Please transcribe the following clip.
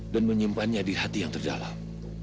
dan menyimpannya di hati yang terdalam